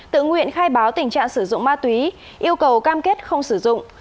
tự nguyện khai báo tình trạng sử dụng ma túy yêu cầu cam kết không sử dụng